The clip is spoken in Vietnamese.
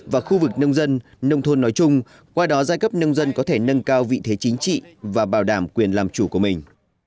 và khu vực nông dân nông thôn nói chung qua đó giai cấp nông dân có thể nâng cao vị thế chính trị và bảo đảm quyền làm chủ của mình